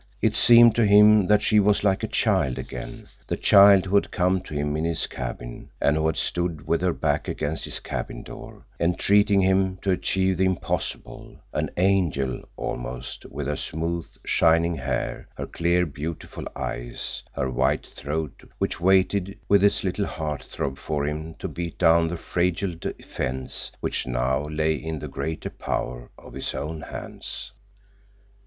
It seemed to him that she was like a child again, the child who had come to him in his cabin, and who had stood with her back against his cabin door, entreating him to achieve the impossible; an angel, almost, with her smooth, shining hair, her clear, beautiful eyes, her white throat which waited with its little heart throb for him to beat down the fragile defense which now lay in the greater power of his own hands.